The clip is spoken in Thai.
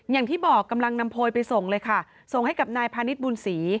อย่างที่บอกกำลังนำโพยไปส่งเลยค่ะส่งให้กับนายพาณิชย์บุญศรี